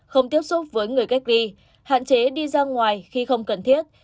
không tiếp xúc với người cách ly hạn chế đi ra ngoài khi không cần thiết